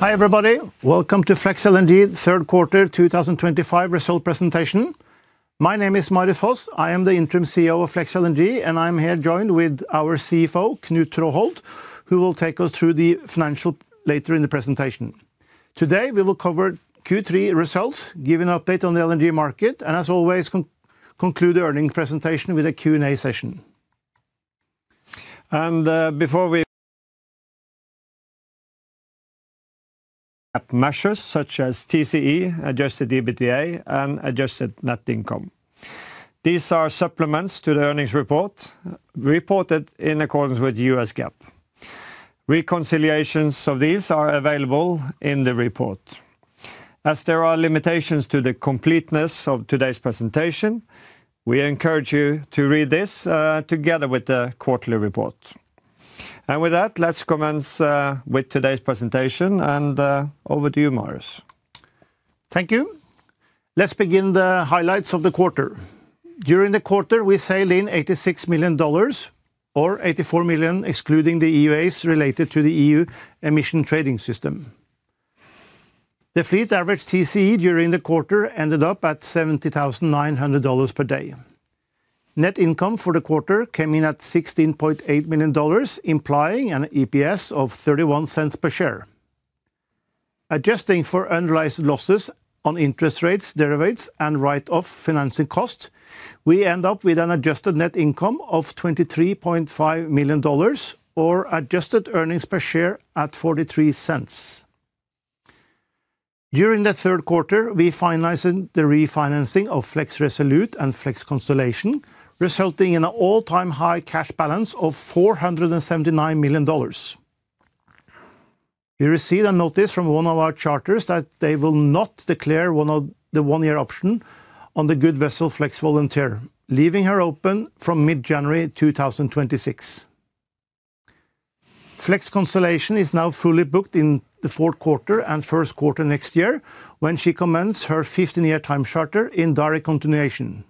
Hi everybody, welcome to FLEX LNG third quarter 2025 result presentation. My name is Marius Foss, I am the Interim CEO of FLEX LNG, and I'm here joined with our CFO, Knut Traaholt, who will take us through the financial later in the presentation. Today we will cover Q3 results, give an update on the LNG market, and as always conclude the earnings presentation with a Q&A session. Before we measure such as TCE, Adjusted EBITDA, and adjusted net income. These are supplements to the earnings report reported in accordance with U.S. GAAP. Reconciliations of these are available in the report. As there are limitations to the completeness of today's presentation, we encourage you to read this together with the quarterly report. With that, let's commence with today's presentation, and over to you, Marius. Thank you. Let's begin the highlights of the quarter. During the quarter, we sailed in $86 million, or $84 million excluding the EUAs related to the EU Emission Trading System. The fleet average TCE during the quarter ended up at $70,900 per day. Net income for the quarter came in at $16.8 million, implying an EPS of $0.31 per share. Adjusting for annualized losses on interest rates, derivatives, and write-off financing costs, we end up with an adjusted net income of $23.5 million, or adjusted earnings per share at $0.43. During the third quarter, we finalized the refinancing of FLEX RESOLUTE and FLEX CONSTELLATION, resulting in an all-time high cash balance of $479 million. We received a notice from one of our charters that they will not declare one of the one-year options on the good vessel FLEX VOLUNTEER, leaving her open from mid-January 2026. FLEX CONSTELLATION is now fully booked in the fourth quarter and first quarter next year when she commences her 15-year time charter in direct continuation.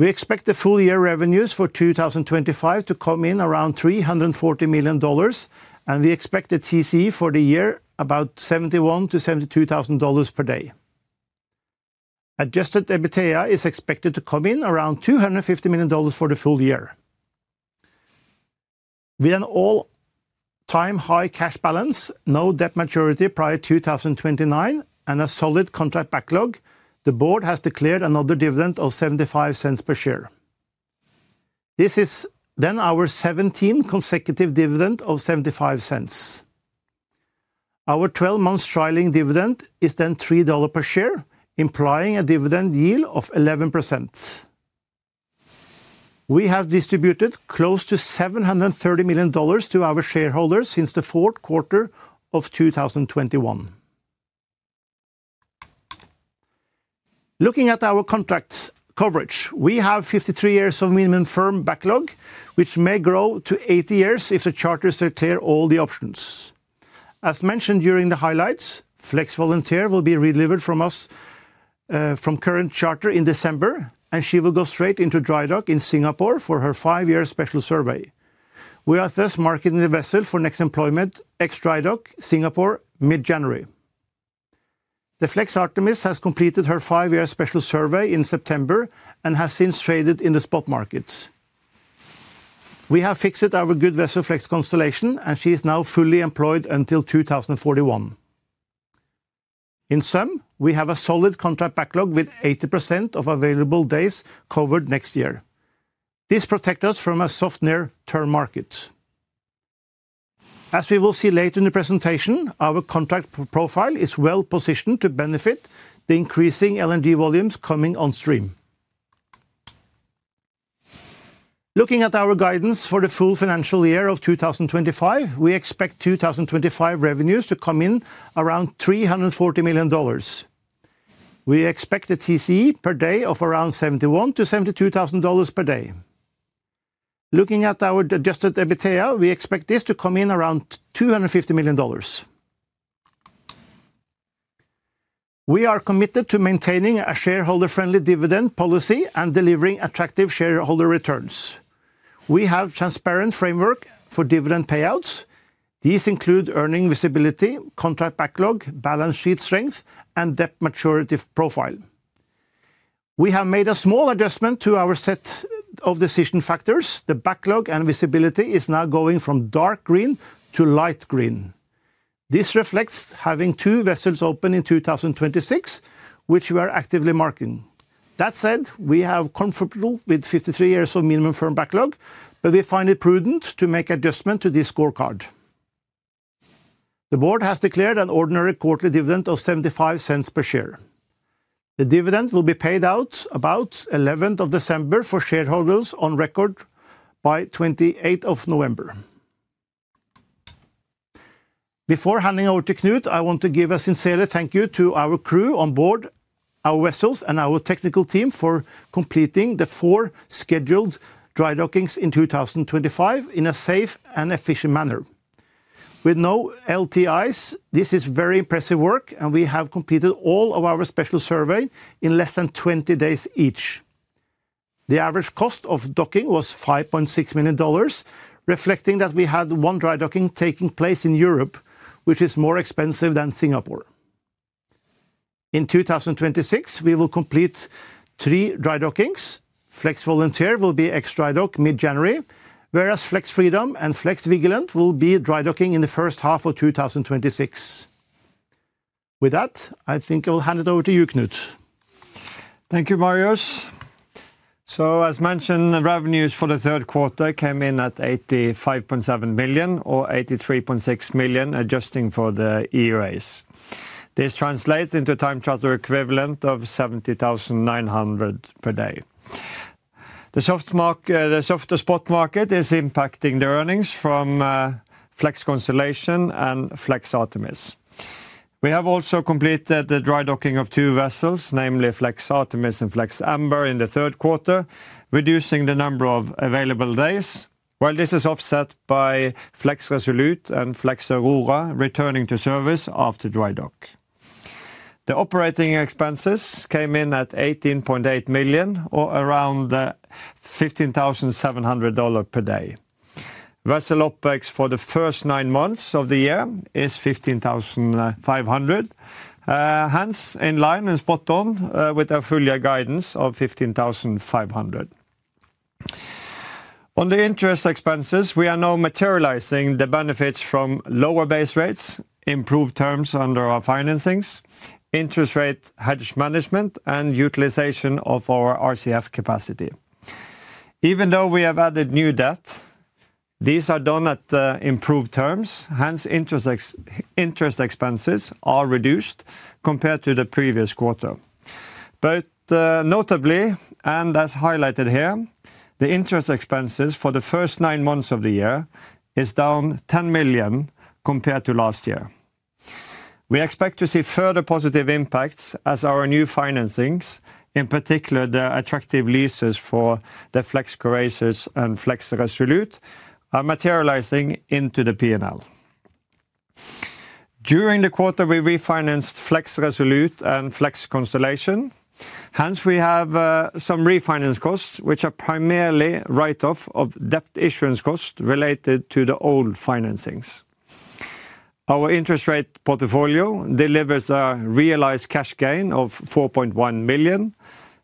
We expect the full year revenues for 2025 to come in around $340 million, and we expect the TCE for the year about $71,000-$72,000 per day. Adjusted EBITDA is expected to come in around $250 million for the full year. With an all-time high cash balance, no debt maturity prior to 2029, and a solid contract backlog, the board has declared another dividend of $0.75 per share. This is then our 17th consecutive dividend of $0.75. Our 12-month trailing dividend is then $3 per share, implying a dividend yield of 11%. We have distributed close to $730 million to our shareholders since the fourth quarter of 2021. Looking at our contract coverage, we have 53 years of minimum firm backlog, which may grow to 80 years if the charters declare all the options. As mentioned during the highlights, FLEX VOLUNTEER will be relivered from us from current charter in December, and she will go straight into drydock in Singapore for her five-year special survey. We are thus marketing the vessel for next employment ex-drydock, Singapore, mid-January. The FLEX ARTEMIS has completed her five-year special survey in September and has since traded in the spot markets. We have fixed our good vessel FLEX CONSTELLATION, and she is now fully employed until 2041. In sum, we have a solid contract backlog with 80% of available days covered next year. This protects us from a soft near-term market. As we will see later in the presentation, our contract profile is well positioned to benefit the increasing LNG volumes coming on stream. Looking at our guidance for the full financial year of 2025, we expect 2025 revenues to come in around $340 million. We expect a TCE per day of around $71,000-$72,000 per day. Looking at our Adjusted EBITDA, we expect this to come in around $250 million. We are committed to maintaining a shareholder-friendly dividend policy and delivering attractive shareholder returns. We have a transparent framework for dividend payouts. These include earning visibility, contract backlog, balance sheet strength, and debt maturity profile. We have made a small adjustment to our set of decision factors. The backlog and visibility is now going from dark green to light green. This reflects having two vessels open in 2026, which we are actively marking. That said, we are comfortable with 53 years of minimum firm backlog, but we find it prudent to make adjustments to this scorecard. The board has declared an ordinary quarterly dividend of $0.75 per share. The dividend will be paid out about 11th of December for shareholders on record by 28th of November. Before handing over to Knut, I want to give a sincere thank you to our crew on board, our vessels, and our technical team for completing the four scheduled drydockings in 2025 in a safe and efficient manner. With no LTIs, this is very impressive work, and we have completed all of our special surveys in less than 20 days each. The average cost of docking was $5.6 million, reflecting that we had one drydocking taking place in Europe, which is more expensive than Singapore. In 2026, we will complete three drydockings. FLEX VOLUNTEER will be ex-drydock mid-January, whereas FLEX FREEDOM and FLEX VIGILANT will be drydocking in the first half of 2026. With that, I think I will hand it over to you, Knut. Thank you, Marius. As mentioned, the revenues for the third quarter came in at $85.7 million, or $83.6 million, adjusting for the EUAs. This translates into a time charter equivalent of $70,900 per day. The soft spot market is impacting the earnings from FLEX CONSTELLATION and FLEX ARTEMIS. We have also completed the drydocking of two vessels, namely FLEX ARTEMIS and FLEX AMBER, in the third quarter, reducing the number of available days, while this is offset by FLEX RESOLUTE and FLEX AURORA returning to service after drydock. The operating expenses came in at $18.8 million, or around $15,700 per day. Vessel opex for the first nine months of the year is $15,500, hence in line and spot on with our full year guidance of $15,500. On the interest expenses, we are now materializing the benefits from lower base rates, improved terms under our financings, interest rate hedge management, and utilization of our RCF capacity. Even though we have added new debt, these are done at improved terms, hence interest expenses are reduced compared to the previous quarter. Notably, and as highlighted here, the interest expenses for the first nine months of the year are down $10 million compared to last year. We expect to see further positive impacts as our new financings, in particular the attractive leases for theFLEX CONSTELLATION and FLEX RESOLUTE, are materializing into the P&L. During the quarter, we refinanced FLEX RESOLUTE and FLEX CONSTELLATION, hence we have some refinance costs, which are primarily write-off of debt issuance costs related to the old financings. Our interest rate portfolio delivers a realized cash gain of $4.1 million,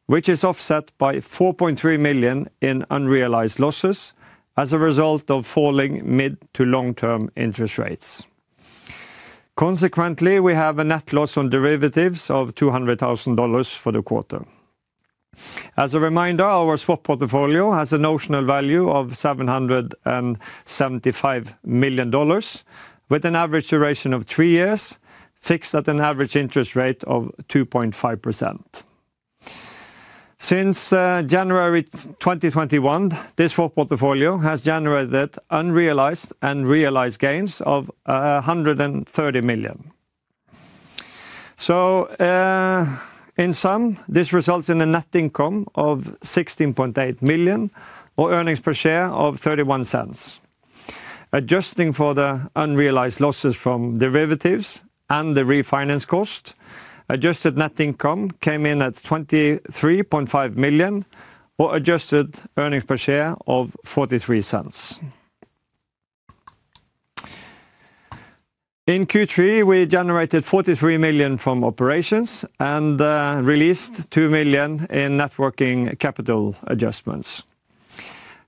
which is offset by $4.3 million in unrealized losses as a result of falling mid to long-term interest rates. Consequently, we have a net loss on derivatives of $200,000 for the quarter. As a reminder, our spot portfolio has a notional value of $775 million, with an average duration of three years, fixed at an average interest rate of 2.5%. Since January 2021, this spot portfolio has generated unrealized and realized gains of $130 million. In sum, this results in a net income of $16.8 million, or earnings per share of $0.31. Adjusting for the unrealized losses from derivatives and the refinance cost, adjusted net income came in at $23.5 million, or adjusted earnings per share of $0.43. In Q3, we generated $43 million from operations and released $2 million in networking capital adjustments.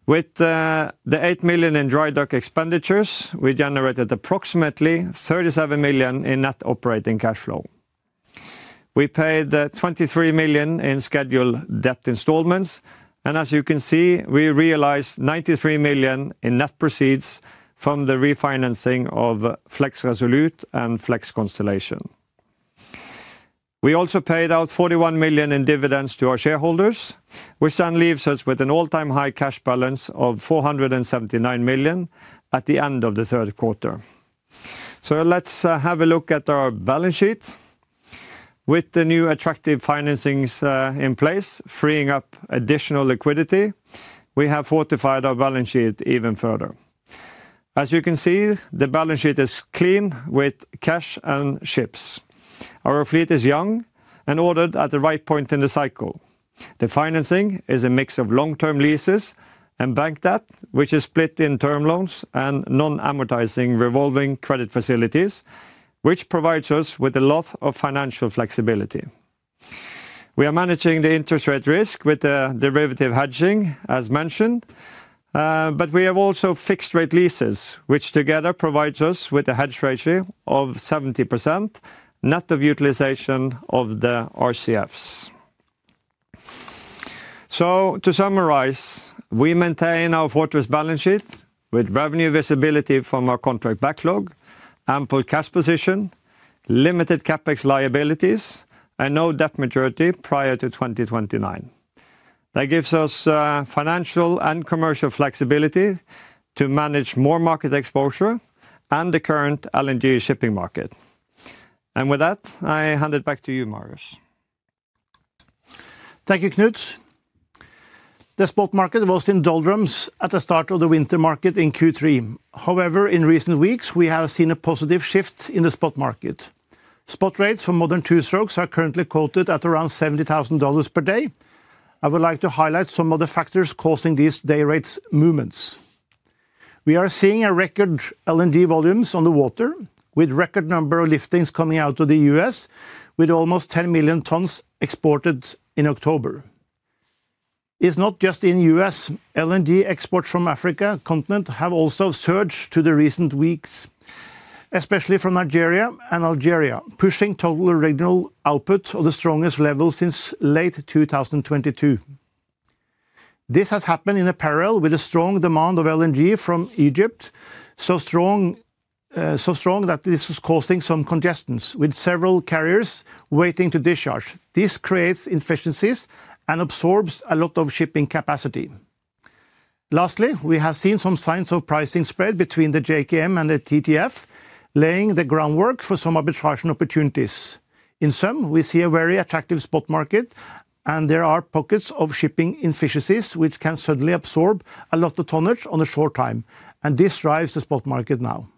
With the $8 million in drydock expenditures, we generated approximately $37 million in net operating cash flow. We paid $23 million in scheduled debt installments, and as you can see, we realized $93 million in net proceeds from the refinancing of FLEX RESOLUTE and FLEX CONSTELLATION. We also paid out $41 million in dividends to our shareholders, which then leaves us with an all-time high cash balance of $479 million at the end of the third quarter. Let's have a look at our balance sheet. With the new attractive financings in place, freeing up additional liquidity, we have fortified our balance sheet even further. As you can see, the balance sheet is clean with cash and ships. Our fleet is young and ordered at the right point in the cycle. The financing is a mix of long-term leases and bank debt, which is split in term loans and non-amortizing revolving credit facilities, which provides us with a lot of financial flexibility. We are managing the interest rate risk with the derivative hedging, as mentioned, but we have also fixed-rate leases, which together provide us with a hedge ratio of 70% net of utilization of the RCFs. To summarize, we maintain our quarter's balance sheet with revenue visibility from our contract backlog, ample cash position, limited CapEx liabilities, and no debt maturity prior to 2029. That gives us financial and commercial flexibility to manage more market exposure and the current LNG shipping market. With that, I hand it back to you, Marius. Thank you, Knut. The spot market was in doldrums at the start of the winter market in Q3. However, in recent weeks, we have seen a positive shift in the spot market. Spot rates for modern two-strokes are currently quoted at around $70,000 per day. I would like to highlight some of the factors causing these day rates movements. We are seeing record LNG volumes on the water, with a record number of liftings coming out of the US, with almost 10 million tons exported in October. It's not just in the U.S.; LNG exports from the African continent have also surged in the recent weeks, especially from Nigeria and Algeria, pushing total regional output to the strongest level since late 2022. This has happened in parallel with the strong demand of LNG from Egypt, so strong that this is causing some congestions, with several carriers waiting to discharge. This creates inefficiencies and absorbs a lot of shipping capacity. Lastly, we have seen some signs of pricing spread between the JKM and the TTF, laying the groundwork for some arbitration opportunities. In sum, we see a very attractive spot market, and there are pockets of shipping inefficiencies which can suddenly absorb a lot of tonnage in the short time, and this drives the spot market now.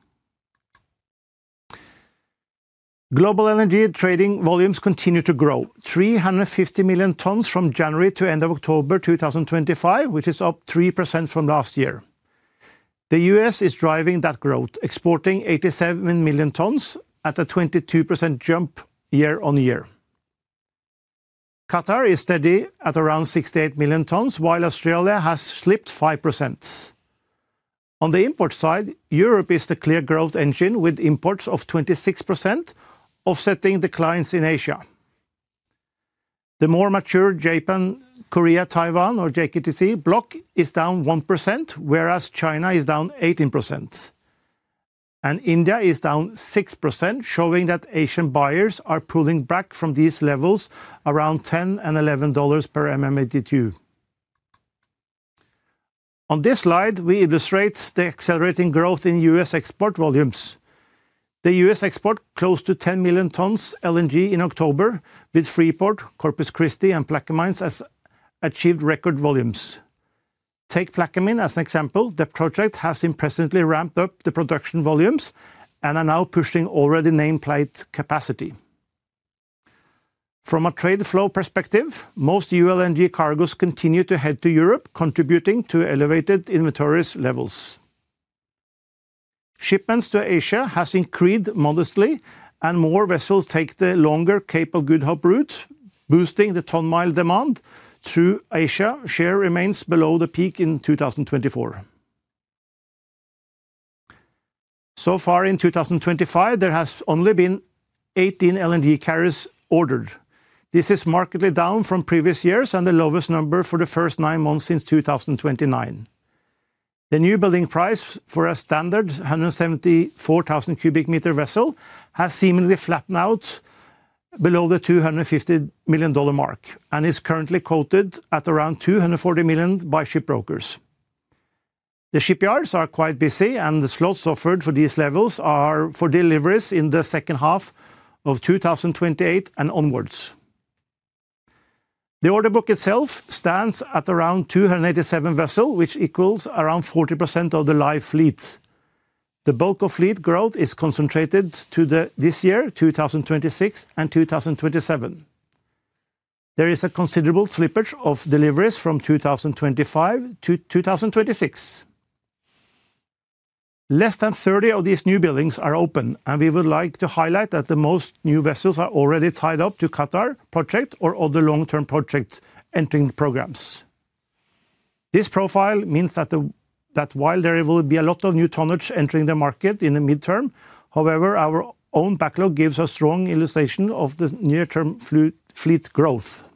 Global LNG trading volumes continue to grow: 350 million tons from January to the end of October 2025, which is up 3% from last year. The U.S. is driving that growth, exporting 87 million tons at a 22% jump year-on-year. Qatar is steady at around 68 million tons, while Australia has slipped 5%. On the import side, Europe is the clear growth engine, with imports of 26%, offsetting declines in Asia. The more mature JKM Korea-Taiwan or JKTC block is down 1%, whereas China is down 18%. India is down 6%, showing that Asian buyers are pulling back from these levels around $10 and $11 per MMBtu. On this slide, we illustrate the accelerating growth in U.S. export volumes. The U.S. exported close to 10 million tons LNG in October, with Freeport, Corpus Christi, and Plaquemines achieving record volumes. Take Plaquemines as an example; the project has impressively ramped up the production volumes and is now pushing already nameplate capacity. From a trade flow perspective, most U.S. LNG cargoes continue to head to Europe, contributing to elevated inventory levels. Shipments to Asia have increased modestly, and more vessels take the longer Cape of Good Hope route, boosting the ton-mile demand through Asia. Share remains below the peak in 2024. So far, in 2025, there have only been 18 LNG carriers ordered. This is markedly down from previous years and the lowest number for the first nine months since 2019. The newbuilding price for a standard 174,000 cubic meter vessel has seemingly flattened out below the $250 million mark and is currently quoted at around $240 million by ship brokers. The shipyards are quite busy, and the slots offered for these levels are for deliveries in the second half of 2028 and onwards. The order book itself stands at around 287 vessels, which equals around 40% of the live fleet. The bulk of fleet growth is concentrated to this year, 2026 and 2027. There is a considerable slippage of deliveries from 2025 to 2026. Less than 30 of these newbuildings are open, and we would like to highlight that most new vessels are already tied up to Qatar projects or other long-term project entering programs. This profile means that while there will be a lot of new tonnage entering the market in the midterm, our own backlog gives a strong illustration of the near-term fleet growth.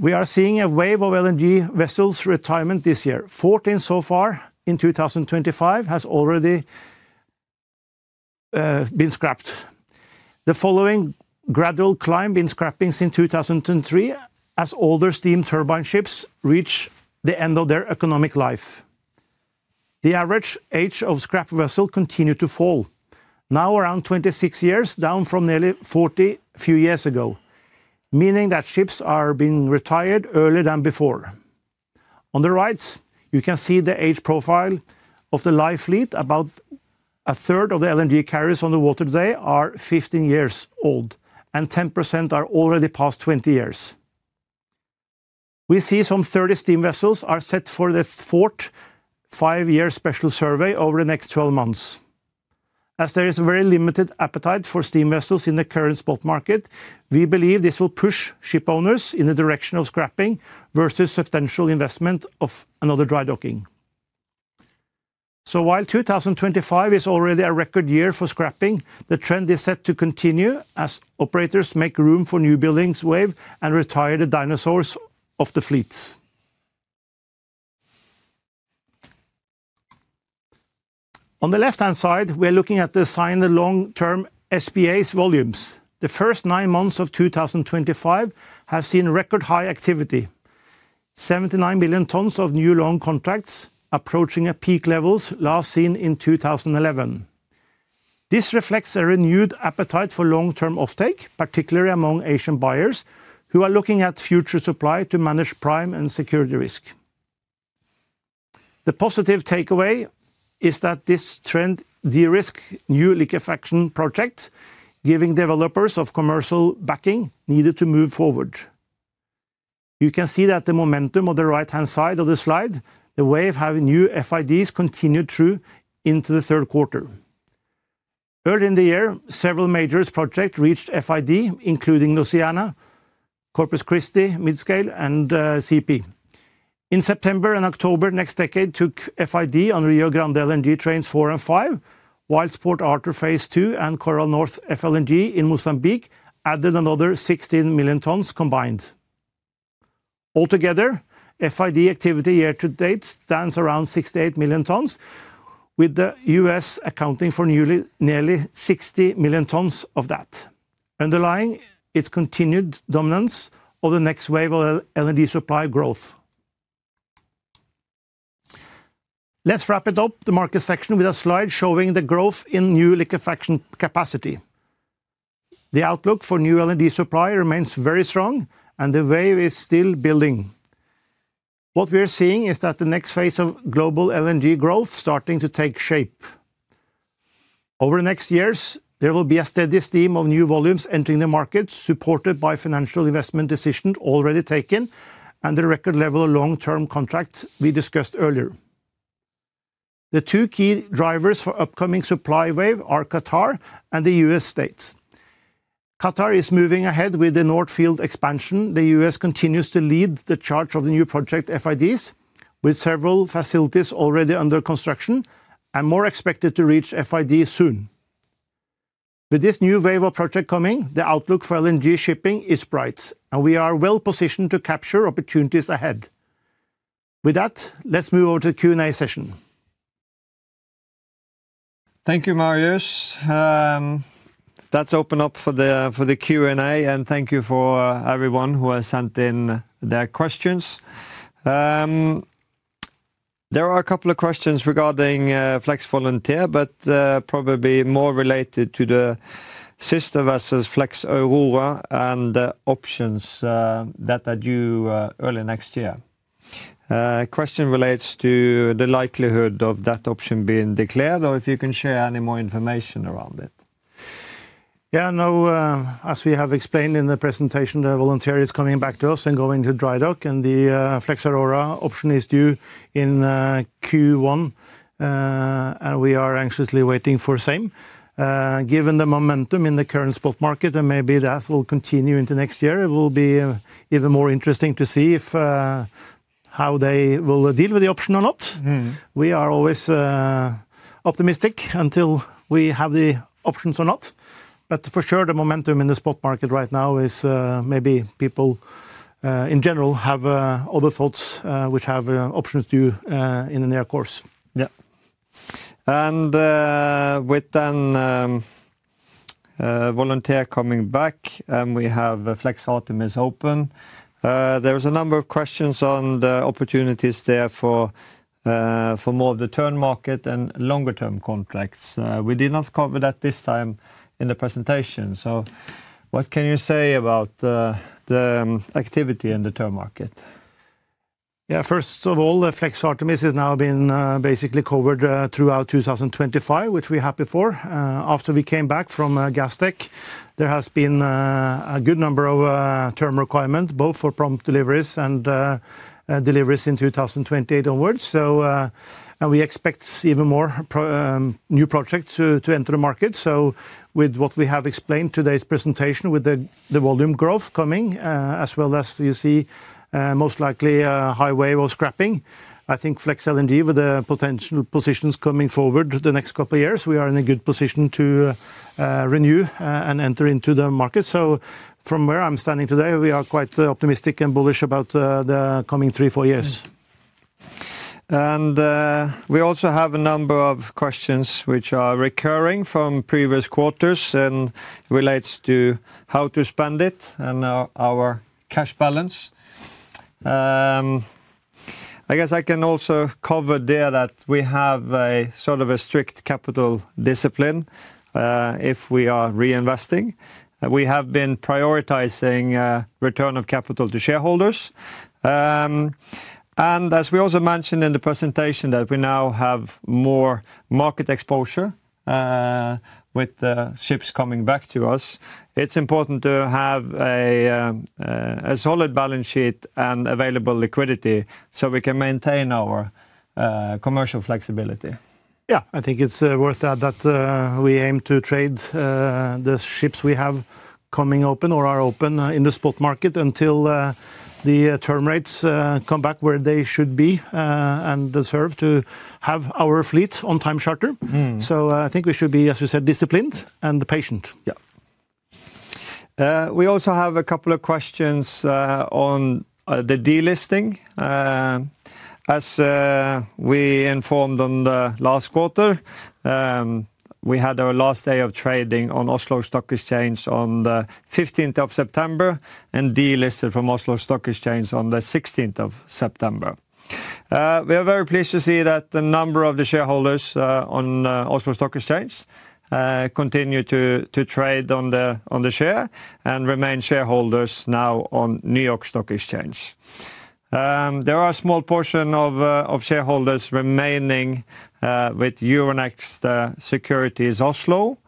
We are seeing a wave of LNG vessels retirement this year. Fourteen so far in 2025 have already been scrapped. The following gradual climb in scrapping since 2003, as older steam turbine ships reach the end of their economic life. The average age of scrap vessels continues to fall, now around 26 years, down from nearly 40 a few years ago, meaning that ships are being retired earlier than before. On the right, you can see the age profile of the live fleet. About a third of the LNG carriers on the water today are 15 years old, and 10% are already past 20 years. We see some 30 steam vessels are set for the fourth five-year special survey over the next 12 months. As there is a very limited appetite for steam vessels in the current spot market, we believe this will push ship owners in the direction of scrapping versus substantial investment of another drydocking. While 2025 is already a record year for scrapping, the trend is set to continue as operators make room for newbuildings to wave and retire the dinosaurs of the fleets. On the left-hand side, we are looking at the signed long-term SPA volumes. The first nine months of 2025 have seen record high activity: 79 million tons of new long contracts approaching peak levels last seen in 2011. This reflects a renewed appetite for long-term offtake, particularly among Asian buyers who are looking at future supply to manage prime and security risk. The positive takeaway is that this trend de-risked new liquefaction projects, giving developers the commercial backing needed to move forward. You can see that the momentum on the right-hand side of the slide, the wave of new FIDs continued through into the third quarter. Early in the year, several major projects reached FID, including Louisiana, Corpus Christi, Midscale, and CP. In September and October next decade, FID on Rio Grande LNG trains four and five, Wildsport Arter phase two and Coral North FLNG in Mozambique added another 16 million tons combined. Altogether, FID activity year-to-date stands around 68 million tons, with the US accounting for nearly 60 million tons of that, underlying its continued dominance of the next wave of LNG supply growth. Let's wrap it up, the market section, with a slide showing the growth in new liquefaction capacity. The outlook for new LNG supply remains very strong, and the wave is still building. What we are seeing is that the next phase of global LNG growth is starting to take shape. Over the next years, there will be a steady stream of new volumes entering the market, supported by financial investment decisions already taken and the record level of long-term contracts we discussed earlier. The two key drivers for the upcoming supply wave are Qatar and the US states. Qatar is moving ahead with the North Field expansion. The U.S. continues to lead the charge of the new project FIDs, with several facilities already under construction and more expected to reach FID soon. With this new wave of projects coming, the outlook for LNG shipping is bright, and we are well positioned to capture opportunities ahead. With that, let's move over to the Q&A session. Thank you, Marius. That has opened up for the Q&A, and thank you for everyone who has sent in their questions. There are a couple of questions regarding FLEX VOLUNTEER, but probably more related to the sister vessels, FLEX AURORA, and the options that are due early next year. The question relates to the likelihood of that option being declared, or if you can share any more information around it. Yeah, no, as we have explained in the presentation, the Volunteer is coming back to us and going to drydock, and the FLEX AURORA option is due in Q1, and we are anxiously waiting for the same. Given the momentum in the current spot market, and maybe that will continue into next year, it will be even more interesting to see how they will deal with the option or not. We are always optimistic until we have the options or not, but for sure, the momentum in the spot market right now is maybe people in general have other thoughts which have options due in the near course. Yeah. With then Volunteer coming back, and we have FLEX ARTEMIS open, there was a number of questions on the opportunities there for more of the term market and longer-term contracts. We did not cover that this time in the presentation. What can you say about the activity in the term market? Yeah, first of all, FLEX ARTEMIS has now been basically covered throughout 2025, which we had before. After we came back from Gastex, there has been a good number of term requirements, both for prompt deliveries and deliveries in 2028 onwards. We expect even more new projects to enter the market. With what we have explained in today's presentation, with the volume growth coming, as well as you see most likely a high wave of scrapping, I think FLEX LNG, with the potential positions coming forward the next couple of years, we are in a good position to renew and enter into the market. From where I'm standing today, we are quite optimistic and bullish about the coming three, four years. We also have a number of questions which are recurring from previous quarters and relate to how to spend it and our cash balance. I guess I can also cover there that we have a sort of a strict capital discipline if we are reinvesting. We have been prioritizing return of capital to shareholders. As we also mentioned in the presentation, that we now have more market exposure with the ships coming back to us, it's important to have a solid balance sheet and available liquidity so we can maintain our commercial flexibility. Yeah, I think it's worth that we aim to trade the ships we have coming open or are open in the spot market until the term rates come back where they should be and deserve to have our fleet on time charter. I think we should be, as you said, disciplined and patient. Yeah. We also have a couple of questions on the delisting. As we informed on the last quarter, we had our last day of trading on Oslo Stock Exchange on the 15th of September and delisted from Oslo Stock Exchange on the 16th of September. We are very pleased to see that the number of the shareholders on Oslo Stock Exchange continue to trade on the share and remain shareholders now on New York Stock Exchange. There are a small portion of shareholders remaining with Euronext Securities Oslo.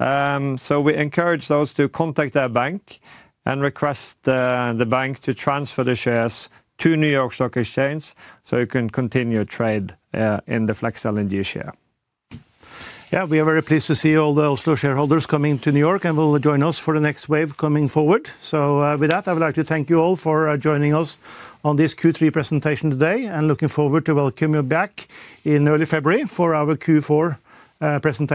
So we encourage those to contact their bank and request the bank to transfer the shares to New York Stock Exchange so you can continue trade in the FLEX LNG share. Yeah, we are very pleased to see all the Oslo shareholders coming to New York and will join us for the next wave coming forward. With that, I would like to thank you all for joining us on this Q3 presentation today and looking forward to welcoming you back in early February for our Q4 presentation.